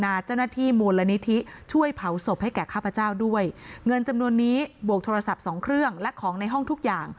อันนี้จดหมายฉบับแรกนะคะ